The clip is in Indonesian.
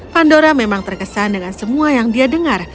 pandora memang terkesan dengan semua yang dia dengar